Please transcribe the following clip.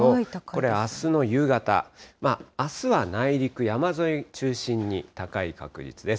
これ、あすの夕方、あすは内陸、山沿い中心に高い確率です。